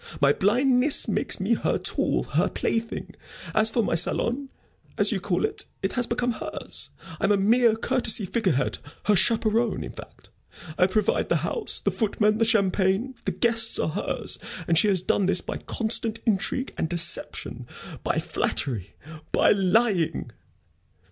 My blindness makes me her tool, her plaything. As for my salon, as you call it, it has become hers. I am a mere courtesy figurehead her chaperon, in fact. I provide the house, the footmen, the champagne; the guests are hers. And she has done this by constant intrigue and deception by flattery by lying!"